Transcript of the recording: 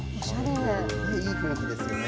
いい雰囲気ですよね。